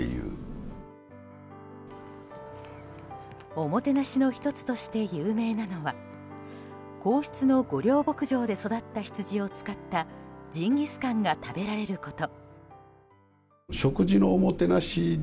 おもてなしの１つとして有名なのは皇室の御料牧場で育ったヒツジを使ったジンギスカンが食べられること。